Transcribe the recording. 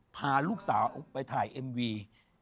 พาลูกสาวไปถ่ายเอ็มวี